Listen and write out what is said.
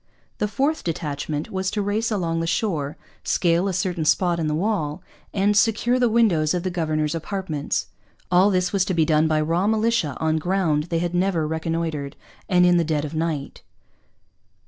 The fourth detachment was to race along the shore, scale a certain spot in the wall, 'and secure the windows of the Governor's Apartments.' All this was to be done by raw militia, on ground they had never reconnoitred, and in the dead of night.